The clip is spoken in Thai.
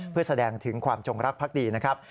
เพื่อแสดงถึงความจงรักภักดีนะครับ